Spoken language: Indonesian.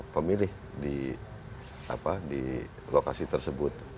pemilih di lokasi tersebut